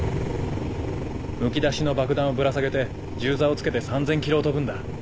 むき出しの爆弾をぶら下げて銃座をつけて３０００キロを飛ぶんだ。